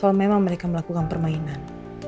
kalau memang mereka melakukan permainan